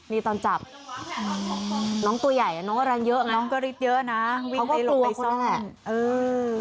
นี่ตอนจับน้องตัวใหญ่น้องก็แรงเยอะน้องก็ฤทธิ์เยอะนะเขาก็กลัวคนนั่นแหละ